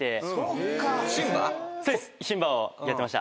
シンバをやってました。